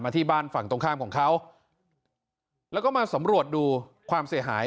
ที่บ้านฝั่งตรงข้ามของเขาแล้วก็มาสำรวจดูความเสียหาย